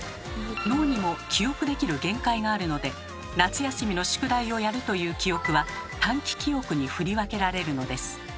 脳にも記憶できる限界があるので「夏休みの宿題をやる」という記憶は短期記憶に振り分けられるのです。